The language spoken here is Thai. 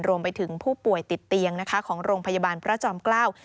รวมไปถึงผู้ป่วยติดเตียงนะคะของโรงพยาบาลพระจอมเกล้า